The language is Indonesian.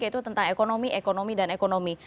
yaitu tentang ekonomi ekonomi dan ekonomi